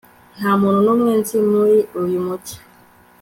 Nta muntu numwe nzi muri uyu mujyi